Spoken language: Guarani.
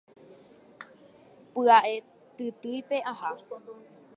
py'atytýipe aha